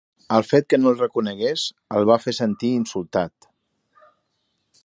El fet que no el reconegués el va fer sentir insultat.